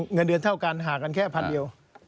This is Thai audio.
เงินเดือนเท่ากันห่างกันแค่พันเดียว